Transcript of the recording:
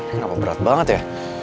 kenapa berat banget ya